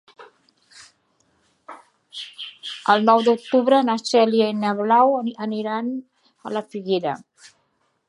El nou d'octubre na Cèlia i na Blau aniran a la Figuera.